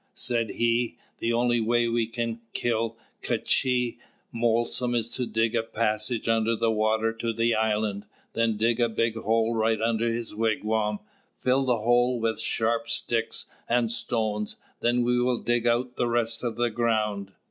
Said he: "The only way we can kill K'chī Molsom is to dig a passage under the water to the island, then dig a big hole right under his wigwam, fill the hole with sharp sticks and stones; then we will dig out the rest of the ground.